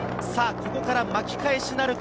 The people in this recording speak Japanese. ここから巻き返しなるか？